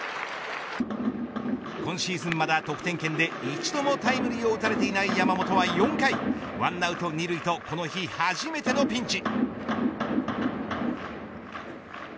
今シーズンまだ得点圏で一度もタイムリーを打たれていない山本は４回１アウト２塁とこの日、初めてのピンチ。